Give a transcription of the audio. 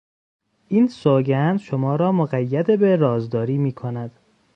این سوگند شما را مقید به رازداری میکند.